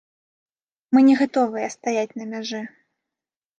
Мы не гатовыя стаяць на мяжы.